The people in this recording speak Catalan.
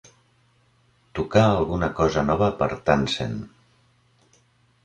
Tocar alguna cosa nova per Tansen